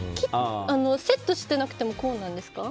セットしてなくてもこうなんですか？